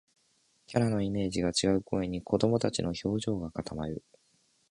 キャラのイメージと違う声に、子どもたちの表情が固まる